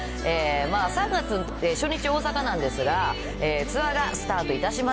３月、初日大阪なんですが、ツアーがスタートいたします。